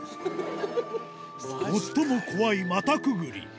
最も怖い股くぐり